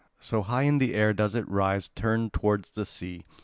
So high in the air does it rise turned towards the sea.